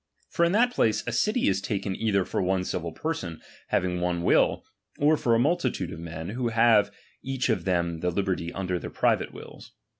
For in that place, a city is taken either for one civil person, having one will ; or for a multitude of men, who have each of them the liberty of their private wills.